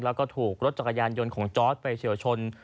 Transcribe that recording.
แล้วก็ถูกรถจักรยานยนต์ของจอร์ดไปเฉียวชน